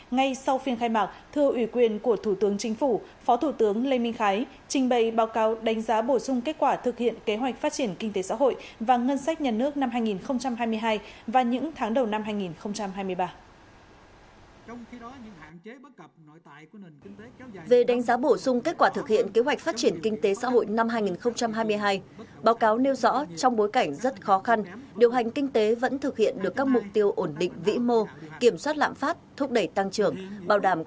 ngay sau phiên khai mạc thưa ủy quyền của thủ tướng chính phủ phó thủ tướng lê minh khái trình bày báo cáo đánh giá bổ sung kết quả thực hiện kế hoạch phát triển kinh tế xã hội và ngân sách nhà nước năm hai nghìn hai mươi hai và những tháng đầu năm hai nghìn hai mươi ba